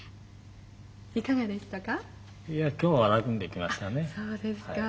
いかがでしたか？